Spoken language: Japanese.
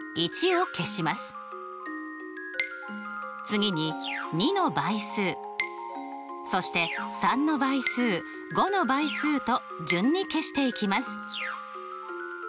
次に２の倍数そして３の倍数５の倍数と順に消していきます。